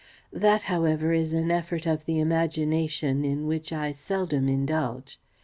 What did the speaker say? That, however, is an effort of the imagination in which I seldom indulge.